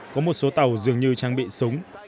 có một số tàu dường như trang bị súng